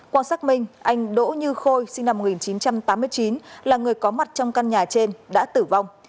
qua xác minh anh đỗ như khôi sinh năm một nghìn chín trăm tám mươi chín là người có mặt trong căn nhà trên đã tử vong